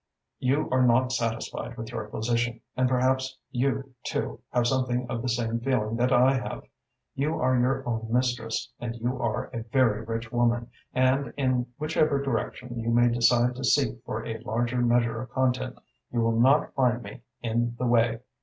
You are not satisfied with your position, and perhaps you, too, have something of the same feeling that I have. You are your own mistress and you are a very rich woman, and in whichever direction you may decide to seek for a larger measure of content, you will not find me in the Way."